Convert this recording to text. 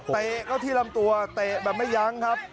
เตะเข้าที่ลำตัวเตะแบบไม่ยั้งครับ